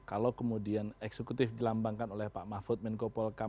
kalau kemudian eksekutif dilambangkan oleh pak mahfud menko polkam